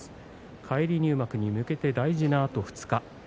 返り入幕に向けて大事なあと２日。